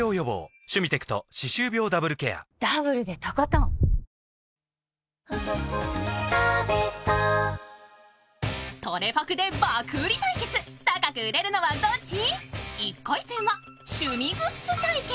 トレファクで爆売り対決、高く売れるのはどっち？